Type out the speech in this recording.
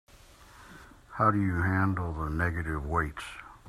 How do you handle the negative weights?